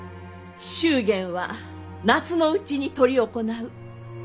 祝言は夏のうちに執り行う。